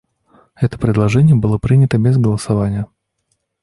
Это предложение было принято без голосования.